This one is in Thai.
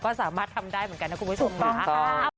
ก็สามารถทำได้เหมือนกันนะคุณผู้ชมค่ะ